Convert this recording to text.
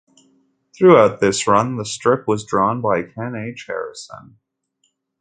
Throughout this run, the strip was drawn by Ken H. Harrison.